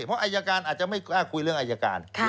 เพราะอายการอาจจะไม่กล้าคุยเรื่องอายการ